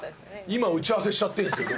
今打ち合わせしちゃってるんですよ。